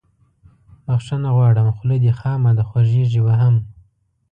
بخښنه غواړم خوله دې خامه ده خوږیږي به هم